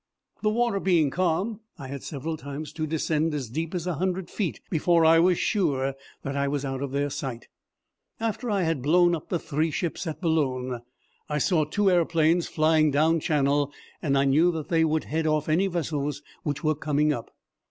The water being calm, I had several times to descend as deep as a hundred feet before I was sure that I was out of their sight. After I had blown up the three ships at Boulogne I saw two aeroplanes flying down Channel, and I knew that they would head off any vessels which were coming up.